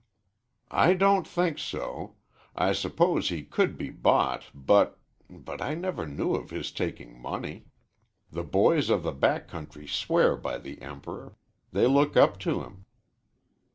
"I don't think so. I suppose he could be bought, but but I never knew of his taking money. The boys of the back country swear by the Emperor; they look up to him.